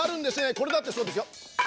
これだってそうですよ！